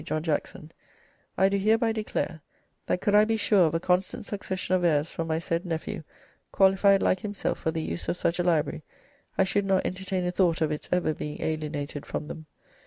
John Jackson, I do hereby declare, That could I be sure of a constant succession of heirs from my said nephew, qualified like himself for the use of such a library, I should not entertain a thought of its ever being alienated from them.